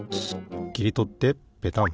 きりとってペタン。